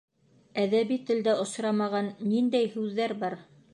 Әҙәби телдә осрамаған ниндәй һүҙҙәр бар?